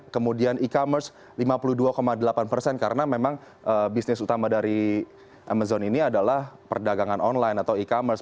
kemudian e commerce lima puluh dua delapan persen karena memang bisnis utama dari amazon ini adalah perdagangan online atau e commerce